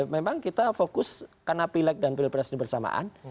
memang kita fokus karena pileg dan pilpres bersamaan